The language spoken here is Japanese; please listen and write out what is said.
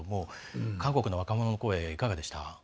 韓国の若者の声、いかがでした？